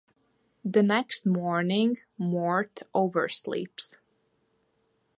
The next morning, Mort oversleeps.